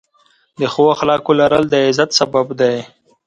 د ښو اخلاقو لرل، د عزت سبب دی.